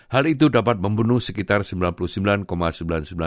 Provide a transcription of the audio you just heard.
hal itu dapat membunuh sekitar sembilan puluh sembilan sembilan puluh sembilan bakteri yang ada